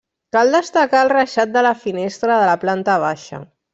Cal destacar el reixat de la finestra de la planta baixa.